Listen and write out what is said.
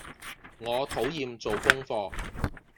我討厭做功課